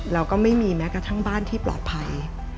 เราก็ไม่มีแม้กระทั่งบ้านที่ปลอดภัย